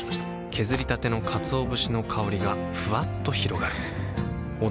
削りたてのかつお節の香りがふわっと広がるはぁ。